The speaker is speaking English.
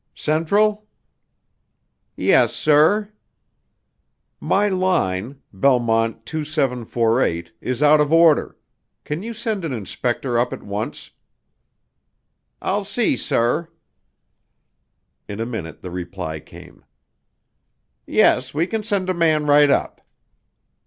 "Central?" "Yes, sir." "My line Belmont 2748 is out of order. Can you send an inspector up at once?" "I'll see, sir." In a minute the reply came. "Yes, we can send a man right up."